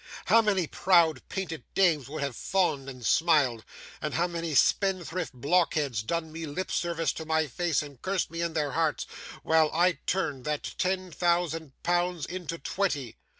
How many proud painted dames would have fawned and smiled, and how many spendthrift blockheads done me lip service to my face and cursed me in their hearts, while I turned that ten thousand pounds into twenty!